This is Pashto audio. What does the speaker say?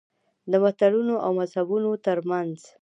د ملتونو او مذهبونو ترمنځ.